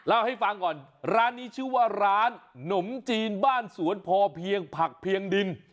เล่าให้ฟังก่อนร้านนี้ชื่อว่าร้านหนมจีนบ้านสวนพอเพียงผักเพียงดิน